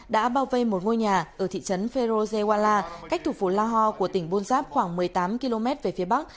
đã bao vây một ngôi nhà ở thị trấn ferrozewa la cách thủ phố lahore của tỉnh bunzab khoảng một mươi tám km về phía bắc